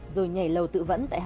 rồi nhảy lầu tự vẫn tại nhà